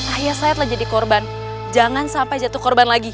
ayah saya telah jadi korban jangan sampai jatuh korban lagi